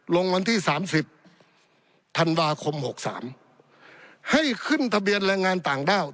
วันที่๓๐ธันวาคม๖๓ให้ขึ้นทะเบียนแรงงานต่างด้าว